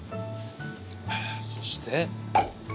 そして。